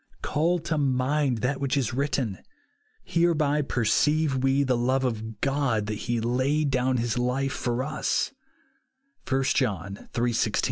Call to mind that which is written, —*' Hereby perceive we the love of God, that he laid down his life for us," (1 John iii, IG).